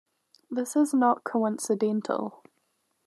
This is not coincidental.